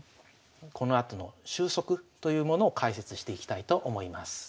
このあとの収束というものを解説していきたいと思います。